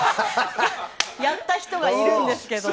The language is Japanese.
やった人がいるんですけどね。